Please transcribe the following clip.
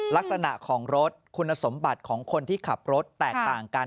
ลักษณะของรถคุณสมบัติของคนที่ขับรถแตกต่างกัน